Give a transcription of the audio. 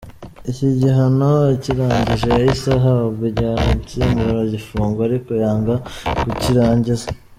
Iki gihano akirangije yahise ahabwa igihano nsimburagifungo ariko yanga kukirangiza.